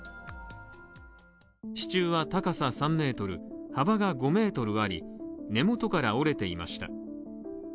支柱は高さ３ｍ幅が５ｍあり、根元から折れていました。